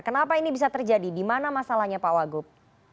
kenapa ini bisa terjadi dimana masalahnya pak wagub